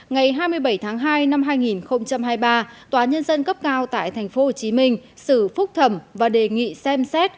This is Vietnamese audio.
ngày hai mươi bảy tháng hai năm hai nghìn hai mươi ba tòa nhân dân cấp cao tại tp hcm xử phúc thẩm và đề nghị xem xét